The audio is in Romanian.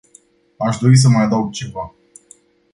Aș dori să mai adaug ceva.